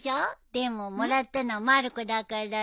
でももらったのはまる子だからね。